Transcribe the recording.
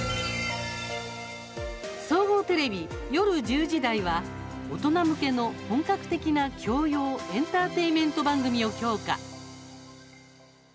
総合テレビ夜１０時台は大人向けの本格的な教養・エンターテインメント番組を強化。